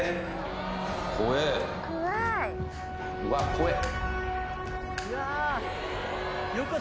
うわっ、怖え。